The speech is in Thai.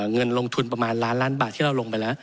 เงินลงทุนประมาณล้านล้านบาทที่เราลงไปแล้ว